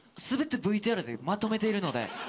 すべてＶＴＲでまとめているので。